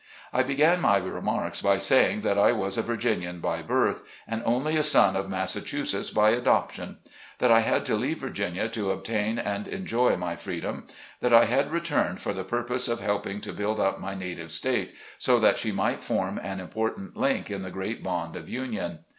I began my remarks, by saying that I was a Vir 84 SLAVE CABIN TO PULPIT. ginian by birth, and only a son of Massachusetts by adoption ; that I had to leave Virginia to obtain and enjoy my freedom, and I had returned for the pur pose of helping to build up my native state, so that she might form an important link in the great bond of Union.